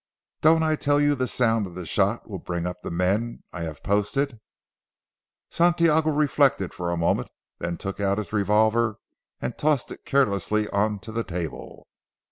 Don't I tell you the sound of the shot will bring up the men I have had posted?" Santiago reflected for a moment, then he took out his revolver and tossed it carelessly on to the table.